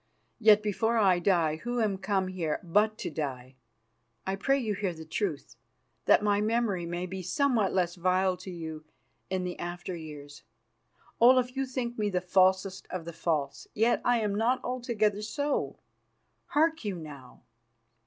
Yet, before I die, who am come here but to die, I pray you hear the truth, that my memory may be somewhat less vile to you in the after years. Olaf, you think me the falsest of the false, yet I am not altogether so. Hark you now!